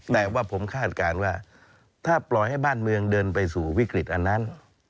แต่ว่าผมคาดการณ์ว่าถ้าปล่อยให้บ้านเมืองเดินไปสู่วิกฤตอันนั้น